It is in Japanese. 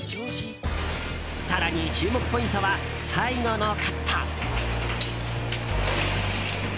更に、注目ポイントは最後のカット。